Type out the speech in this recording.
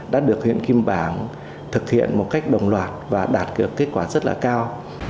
đã được huyện kim bảng thực hiện một cách đồng loạt và đạt được kết quả rất là cao